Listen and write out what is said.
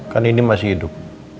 kan nindi masih hidup